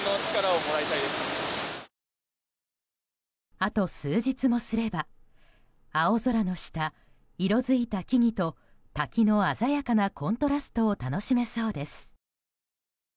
あと数日もすれば青空の下、色づいた木々と滝の鮮やかなコントラストを楽しめそうです。